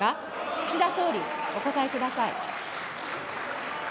岸田総理、お答えください。